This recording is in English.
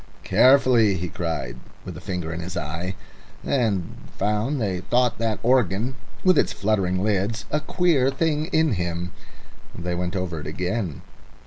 "Carefully," he cried, with a finger in his eye, and found they thought that organ, with its fluttering lids, a queer thing in him. They went over it again.